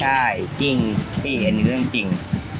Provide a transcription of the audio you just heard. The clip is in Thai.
ใช่จริงใช่ว่ากลัวจริง